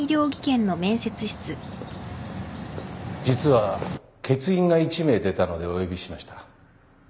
実は欠員が１名出たのでお呼びしました。